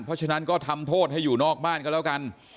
เพราะฉะนั้นก็ทำโทษให้อยู่นอกบ้านก็แล้วกัน